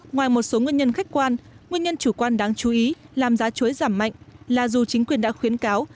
ngoài một số nguyên nhân khách quan nguyên nhân chủ quan đáng chú ý làm giá chuối giảm mạnh là dù chính quyền đã khuyến cáo